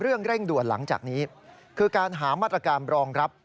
เร่งด่วนหลังจากนี้คือการหามาตรการรองรับ